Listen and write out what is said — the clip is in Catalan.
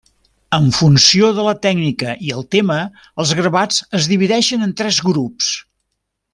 En funció de la tècnica i el tema els gravats es divideixen en tres grups.